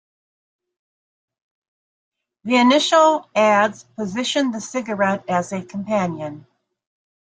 The initial ads positioned the cigarette as a companion.